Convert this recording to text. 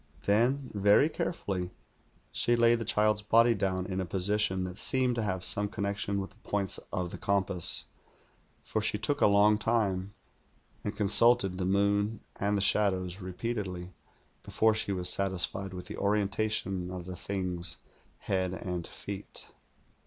Then, very carefully, she laid the child's body down in a position that seemed to have some connection with the points of the compass, for she took a long time, and con sulted the moon and the shadows repeatedly before she was satisfied with the orientation of the thing's head and feet.